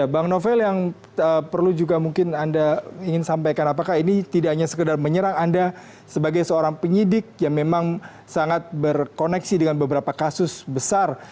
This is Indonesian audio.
bang novel yang perlu juga mungkin anda ingin sampaikan apakah ini tidak hanya sekedar menyerang anda sebagai seorang penyidik yang memang sangat berkoneksi dengan beberapa kasus besar